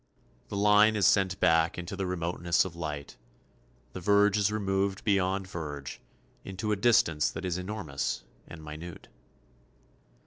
The line is sent back into the remoteness of light, the verge is removed beyond verge, into a distance that is enormous and minute.